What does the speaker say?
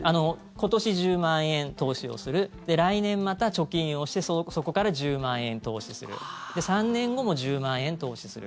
今年、１０万円投資をする来年、また貯金をしてそこから１０万円投資するで、３年後も１０万円投資する。